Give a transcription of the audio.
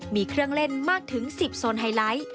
มีเครื่องเล่นมากถึง๑๐โซนไฮไลท์